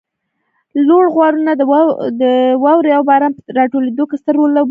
لوړ غرونه د واروې او باران په راټولېدو کې ستر رول لوبوي